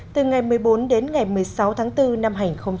từ ngày một mươi bốn đến ngày một mươi sáu tháng bốn năm hai nghìn một mươi chín